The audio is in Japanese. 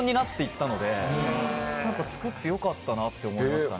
作ってよかったなって思いましたね。